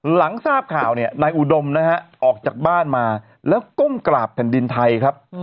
หลังทราบข่าวเนี่ยนายอุดมนะฮะออกจากบ้านมาแล้วก้มกราบแผ่นดินไทยครับ